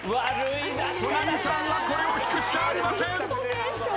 保奈美さんはこれを引くしかありません！